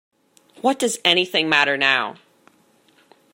What does anything matter now?